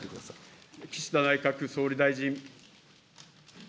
岸田内閣総理大臣。